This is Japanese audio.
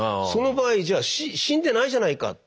その場合じゃあ死んでないじゃないか。